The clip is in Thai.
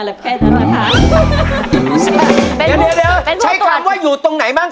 เดี๋ยวใช้คำว่าอยู่ตรงไหนบ้าง